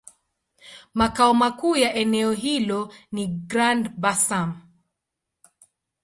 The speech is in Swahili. Makao makuu ya eneo hilo ni Grand-Bassam.